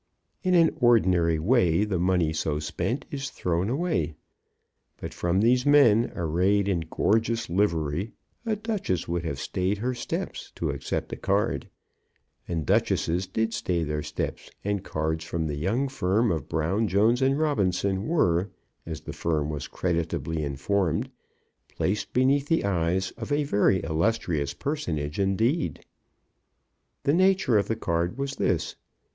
In an ordinary way the money so spent is thrown away. But from these men, arrayed in gorgeous livery, a duchess would have stayed her steps to accept a card. And duchesses did stay their steps, and cards from the young firm of Brown, Jones, and Robinson were, as the firm was credibly informed, placed beneath the eyes of a very illustrious personage indeed. The nature of the card was this.